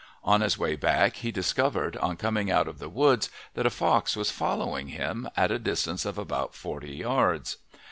On his way back he discovered on coming out of the woods that a fox was following him, at a distance of about forty yards.